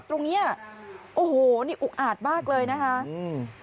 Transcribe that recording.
ตรงเนี้ยโอ้โหนี่อุกอาจมากเลยนะคะอืม